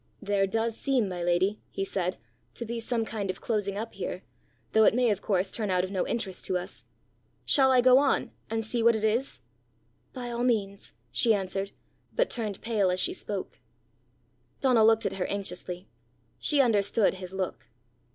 "There does seem, my lady," he said, "to be some kind of closing up here, though it may of course turn out of no interest to us! Shall I go on, and see what it is?" "By all means," she answered, but turned pale as she spoke. Donal looked at her anxiously. She understood his look.